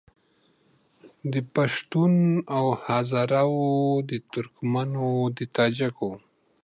د پښتون او هزاره وو د ترکمنو د تاجکو